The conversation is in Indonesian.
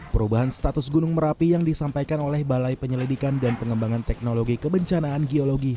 perubahan status gunung merapi yang disampaikan oleh balai penyelidikan dan pengembangan teknologi kebencanaan geologi